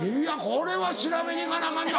これは調べに行かなアカンな。